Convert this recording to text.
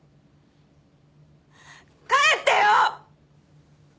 帰ってよ！